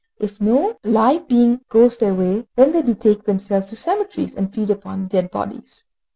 If no live being goes their way, they then betake themselves to the cemeteries, and feed upon the dead bodies.